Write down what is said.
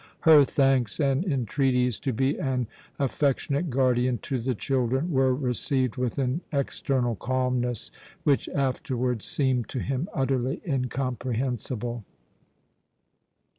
Her thanks and entreaties to be an affectionate guardian to the children were received with an external calmness which afterwards seemed to him utterly incomprehensible.